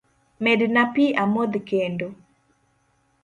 Medna pi amodh kendo